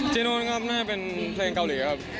นู้นครับน่าจะเป็นเพลงเกาหลีครับ